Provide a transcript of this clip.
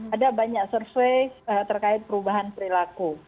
ada banyak survei terkait perubahan perilaku